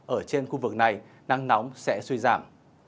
ở trên khu vực này nắng nóng sẽ suy giảm